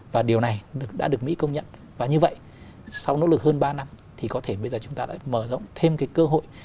và điều này đã được mỹ công nhận và như vậy sau nỗ lực hơn ba năm thì có thể bây giờ chúng ta đã mở rộng thêm cái cơ hội